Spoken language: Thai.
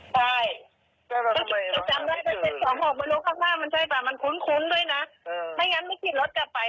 เพื่อนเนี้ยแผงของไอ้พัดนะเพื่อนกันนะเห็นไหม